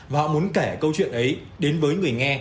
và họ muốn kể câu chuyện ấy đến với người nghe